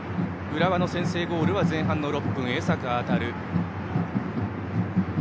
浦和の先制ゴールは前半６分の江坂任。